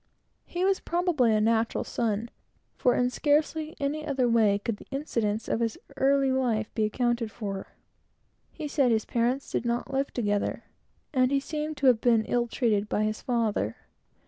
He was probably a natural son, for in scarcely any other way could the incidents of his early life be accounted for. He said that his parents did not live together, and he seemed to have been ill treated by his father.